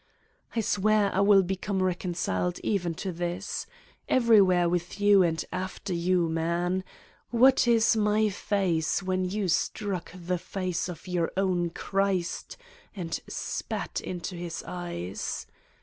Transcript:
I swear I will become reconciled even to this. Everywhere with you and after you, man. What is my face when you struck the face of your own Christ and spat into his eyes?